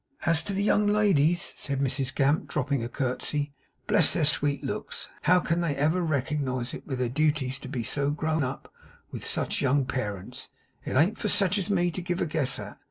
'As to the young ladies,' said Mrs Gamp, dropping a curtsey, 'bless their sweet looks how they can ever reconsize it with their duties to be so grown up with such young parents, it an't for sech as me to give a guess at.